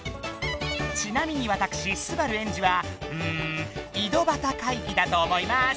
ちなみにわたくし昴エンジはうんいどばた会ぎだと思います。